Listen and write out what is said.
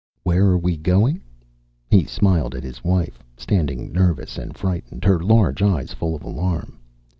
"Where are we going?" He smiled at his wife, standing nervous and frightened, her large eyes full of alarm.